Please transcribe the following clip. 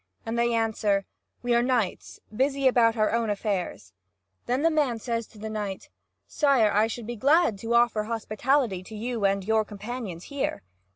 And they answer: "We are knights, busy about our own affairs." Then the man says to the knight: "Sire, I should be glad to offer hospitality to you and your companions here."